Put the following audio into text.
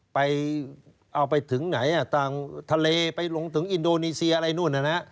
ไปเอาไปถึงไหนต่างทะเลไปลงถึงอินโดนีเซียอะไรนู่นน่ะนะ